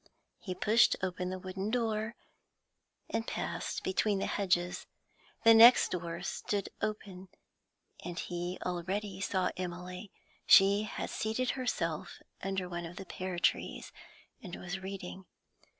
He pushed open the wooden door, and passed between the hedges; the next door stood open, and he already saw Emily; she had seated herself under one of the pear trees, and was reading.